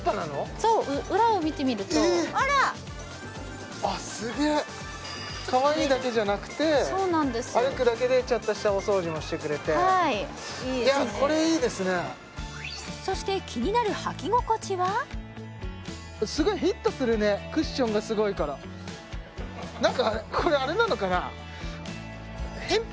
そう裏を見てみるとえ！？あっすげえあら！？かわいいだけじゃなくて歩くだけでちょっとしたお掃除もしてくれていやこれいいですねそして気になるすごいフィットするねクッションがすごいからなんかこれあれなのかな？